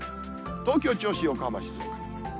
東京、銚子、横浜、静岡。